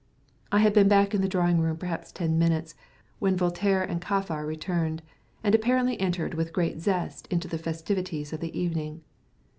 I had been back in the drawing room perhaps ten minutes, when Voltaire and Kaffar returned, and apparently entered with great zest into the festivities of the evening.